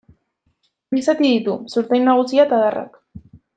Bi zati ditu: zurtoin nagusia eta adarrak.